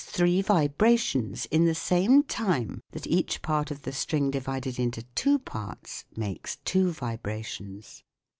4 6 THE WORLD OF SOUND vibrations, in the same time that each part of the string divided into two parts makes two vibrations.